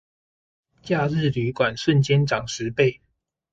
假日旅館瞬間漲十倍